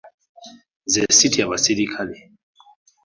Nze sitya basirikale.